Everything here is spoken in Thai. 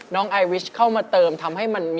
น้องอายริชเข้ามาเติม